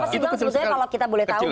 kenapa sih bang kalau kita boleh tahu